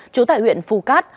trú tại huyện phu cát